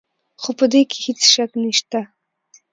خو په دې کې هېڅ شک نشته.